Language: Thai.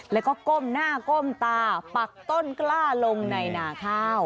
แล้วก็ก้มหน้าก้มตาปักต้นกล้าลงในหนาข้าว